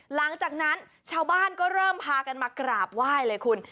หลังจากนั้นชาวบ้านก็เริ่มพากันมากราบไหว้เลยคุณ